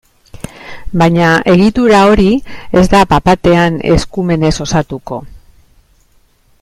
Baina, egitura hori ez da bat-batean eskumenez osatuko.